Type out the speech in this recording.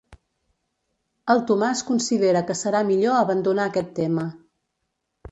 El Tomàs considera que serà millor abandonar aquest tema.